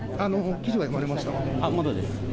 まだです。